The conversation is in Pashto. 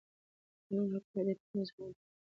د قانون حاکمیت د ټولنې د نظم او عدالت د ساتلو وسیله ده